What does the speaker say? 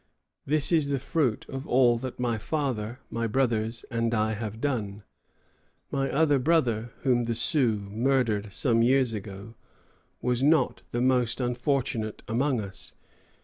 This is the fruit of all that my father, my brothers, and I have done. My other brother, whom the Sioux murdered some years ago, was not the most unfortunate among us.